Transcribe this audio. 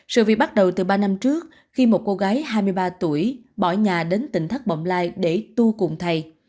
sự việc bắt đầu từ ba năm trước khi một cô gái hai mươi ba tuổi bỏ nhà đến tỉnh thất bọng lai để tua cùng thầy